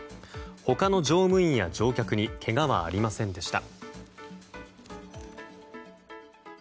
他の乗務員や乗客にけがはありませんでした。